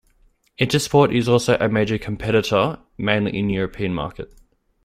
Intersport is also a major competitor mainly in European market.